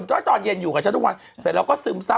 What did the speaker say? มันมาอยู่กับฉันทุกวันแล้วเราก็ซึมซับ